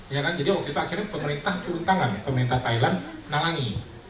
jadi waktu itu akhirnya pemerintah turun tangan pemerintah thailand menangangi